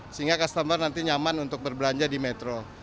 sehingga customer nanti nyaman untuk berbelanja di metro